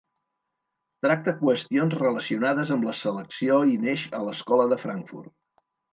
Tracta qüestions relacionades amb la selecció i neix a l’Escola de Frankfurt.